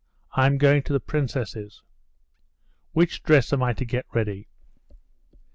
I'm going to the princess's." "Which dress am I to get ready?"